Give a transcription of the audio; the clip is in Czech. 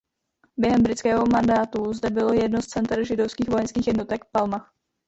Během britského mandátu zde bylo jedno z center židovských vojenských jednotek Palmach.